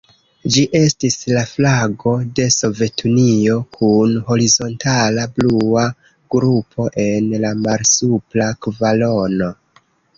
Ĝi estis la flago de Sovetunio, kun horizontala blua grupo en la malsupra kvarono.